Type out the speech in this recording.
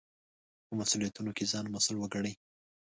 په مسوولیتونو کې ځان مسوول وګڼئ.